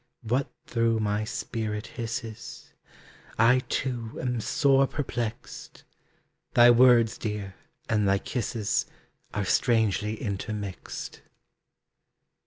What through my spirit hisses? I, too, am sore perplexed! Thy words, dear, and thy kisses Are strangely intermixed.